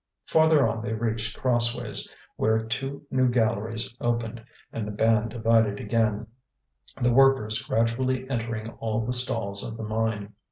Farther on they reached crossways, where two new galleries opened, and the band divided again, the workers gradually entering all the stalls of the mine.